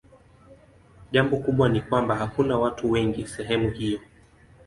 Jambo kubwa ni kwamba hakuna watu wengi sehemu hiyo.